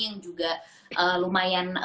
yang juga lumayan